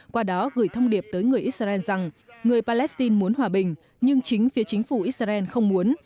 qua đó gửi thông điệp tới người israel rằng người palestine muốn hòa bình nhưng chính phía chính phủ israel không muốn